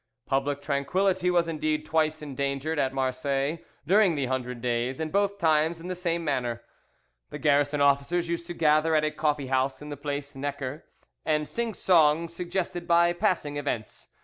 "Public tranquillity was indeed twice endangered at Marseilles during the Hundred Days, and both times in the same manner. The garrison officers used to gather at a coffee house in the place Necker, and sing songs suggested by passing events.